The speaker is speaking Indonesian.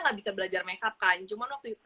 gak bisa belajar makeup kan cuma waktu itu